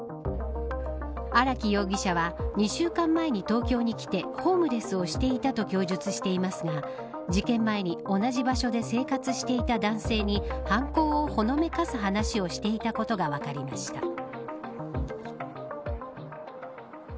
荒木容疑者は２週間前に東京に来てホームレスをしていたと供述していますが事件前に同じ場所で生活していた男性に犯行をほのめかす話をしていたことが分かりました。